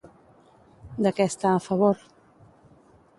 De què està a favor?